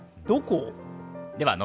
どこ？